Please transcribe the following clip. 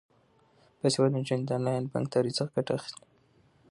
باسواده نجونې د انلاین بانکدارۍ څخه ګټه اخلي.